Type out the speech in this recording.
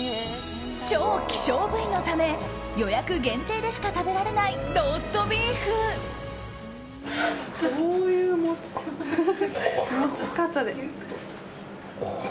超希少部位のため予約限定でしか食べられないどういう持ち方。